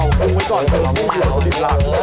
เอาทุ่มไว้ก่อนเธอลองทุ่มเท้าดิบร้าน